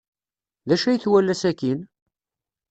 D acu ay twala sakkin?